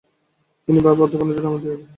তিনি বারবার অধ্যাপনার জন্য আমন্ত্রিত হয়েছেন।